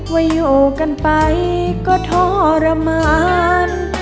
ว่าอยู่กันไปก็ทรมาน